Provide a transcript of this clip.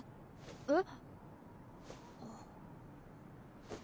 えっ？